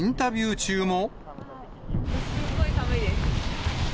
すっごい寒いです。